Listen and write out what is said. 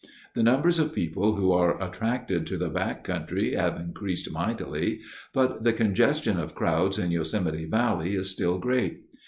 The numbers of people who are attracted to the back country have increased mightily, but the congestion of crowds in Yosemite Valley is still great.